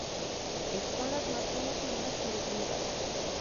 Es con los más conocidos actores búlgaros.